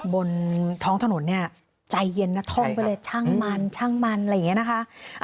บนท้องถนนเนี่ยใจเย็นนะท่องไปเลยช่างมันช่างมันอะไรอย่างนี้นะคะ